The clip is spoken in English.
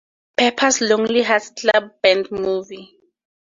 Pepper's Lonely Hearts Club Band movie.